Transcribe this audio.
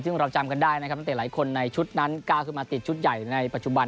ซึ่งเราจำกันได้นะครับนักเตะหลายคนในชุดนั้นก้าวขึ้นมาติดชุดใหญ่ในปัจจุบัน